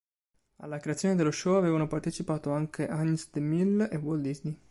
Alla creazione dello show avevano partecipato anche Agnes De Mille e Walt Disney.